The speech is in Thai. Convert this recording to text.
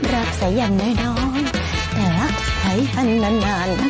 รับใส่อย่างแน่นอนแต่ไหลหันนานนะคะ